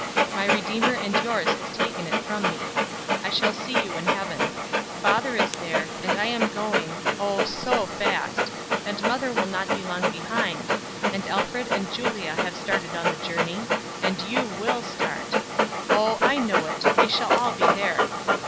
My Redeemer and yours has taken it from me. I shall see you in heaven. Father is there, and I am going, oh so fast, and mother will not be long behind, and Alfred and Julia have started on the journey, and you will start. Oh, I know it we shall all be there!